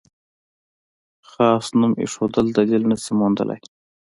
خاص نوم ایښودل دلیل نه شي موندلای.